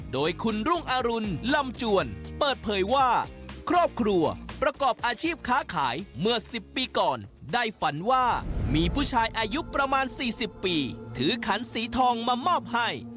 โดยคุณรุ่งอรุณลำจวนเปิดเผยว่าครอบครัวประกอบอาชีพค้าขายเมื่อ๑๐ปีก่อนได้ฝันว่ามีผู้ชายอายุประมาณ๔๐ปีถือขันสีทองมามอบให้